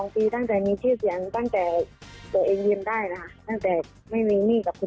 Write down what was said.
เพราะฉะนั้นคือมันไม่พอเลยค่ะ